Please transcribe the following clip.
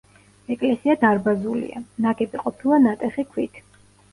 ეკლესია დარბაზულია, ნაგები ყოფილა ნატეხი ქვით.